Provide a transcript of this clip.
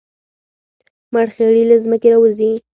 مرخیړي له ځمکې راوځي